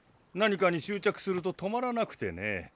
何かに執着すると止まらなくてね。